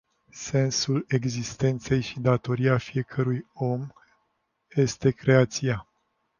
Sensul existenței și datoria fiecărui om estecreația.